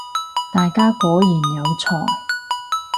大家果然有才